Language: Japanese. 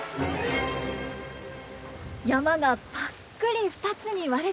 山がぱっくり２つに割れています。